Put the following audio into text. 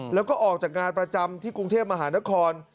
แล้วก็ออกจากงานประจำที่กรุงเทพมหานคร